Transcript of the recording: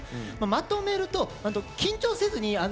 まとめると、緊張せずに。